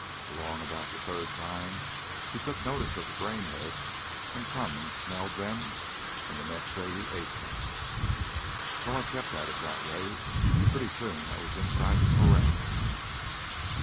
Along about the third time he took notice of the grain heads and come and smelled them, and the next day he ate 'em. "Well, I kept at it that way. Pretty soon I went inside the corral.